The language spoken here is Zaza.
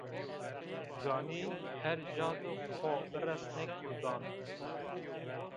Ganî her ca de xo biresnê kurdan